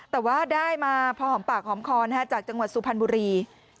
แต่ว่าได้มาพอหอมปากหอมคอจากจังหวัดสุพรรณบุรี